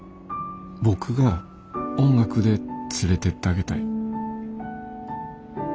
僕が音楽で連れてってあげたい。